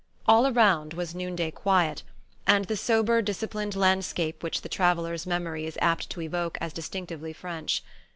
All around was noonday quiet, and the sober disciplined landscape which the traveller's memory is apt to evoke as distinctively French.